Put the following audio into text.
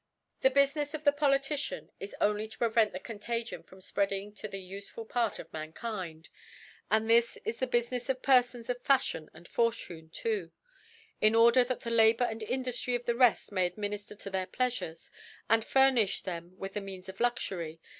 The Bufinefs of the Politician is only to prevent the Contagion from Ipreading to the ufeful Part of Mankind, the Ellino.' NON nE*TKOS TENOS* ; and this is the Bufinefs of Perfons of Fafliibn and' Fortune too, in order that theJLabour and Induftry of the reft n>ay adminiftcr to their Plea^ fures, and furnifh them with fhe Means of Luxury.